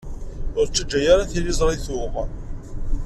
Ur ttaǧǧa ara tiliẓri tuɣ.